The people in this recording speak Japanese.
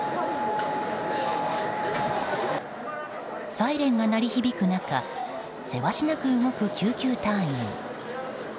サイレンが鳴り響く中せわしなく動く救急隊員。